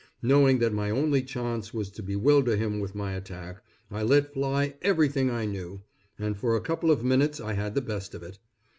Knowing that my only chance was to bewilder him with my attack, I let fly everything I knew, and for a couple of minutes I had the best of it.